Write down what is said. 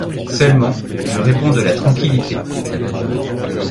Seulement, je réponds de la tranquillité...